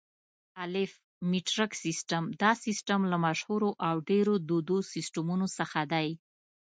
الف: مټریک سیسټم: دا سیسټم له مشهورو او ډېرو دودو سیسټمونو څخه دی.